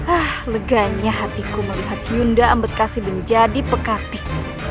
ah leganya hatiku melihat yunda ambekasi menjadi pekatik